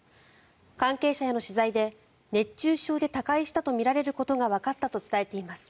関係者への取材で、熱中症で他界したとみられることがわかったと伝えられています。